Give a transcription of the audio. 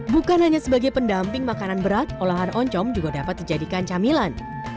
bukan hanya sebagai pendamping makanan berat olahan oncom juga dapat dijadikan camilan